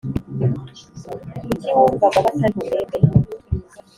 kuki wumvaga batari buguhembe